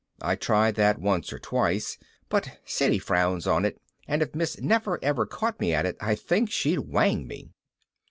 I've tried that once or twice. But Siddy frowns on it, and if Miss Nefer ever caught me at it I think she'd whang me.